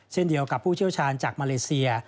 เช่นเดียวกับผู้เชี่ยวชาญจากมาเลเซีย